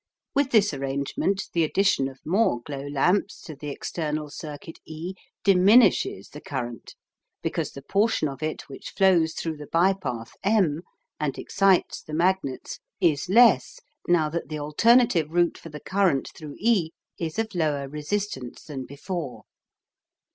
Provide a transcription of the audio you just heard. With this arrangement the addition of more glow lamps to the external circuit E DIMINISHES the current, because the portion of it which flows through the by path M, and excites the magnets, is less now that the alternative route for the current through E is of lower resistance than before.